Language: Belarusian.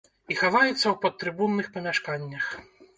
І хаваецца ў падтрыбунных памяшканнях.